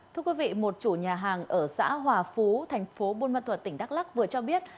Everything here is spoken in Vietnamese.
thưa quý vị một chủ nhà hàng ở xã hòa phú thành phố buôn ma thuật tỉnh đắk lắc vừa cho biết